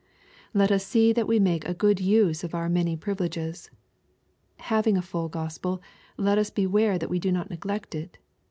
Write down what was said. Let us see that we make a good use of our many privileges. Having a full Gospel, let us beware that we do not neglect it.